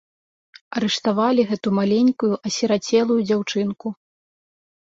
Арыштавалі гэту маленькую асірацелую дзяўчынку.